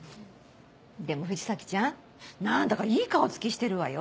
でも藤崎ちゃん何だかいい顔つきしてるわよ。